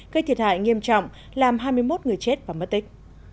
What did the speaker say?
gây thiệt hại nghiêm trọng làm hai mươi một người chết và mất tích